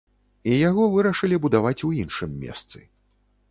І яго вырашылі будаваць у іншым месцы.